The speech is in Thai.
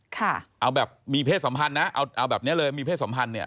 ค่ะเอาแบบมีเพศสัมพันธ์นะเอาเอาแบบเนี้ยเลยมีเพศสัมพันธ์เนี่ย